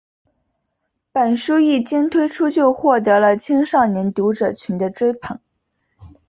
本书一经推出就获得了青少年读者群的追捧。